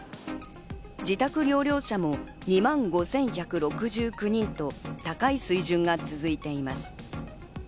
自宅療養者も２万５１６９人と高い水準が続いています。